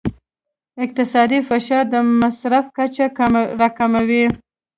اقتصادي فشار د مصرف کچه راکموي.